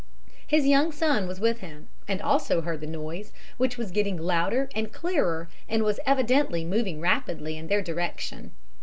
His young son was with him, and also heard the noise, which was getting louder and clearer, and was evidently moving rapidly in their direction.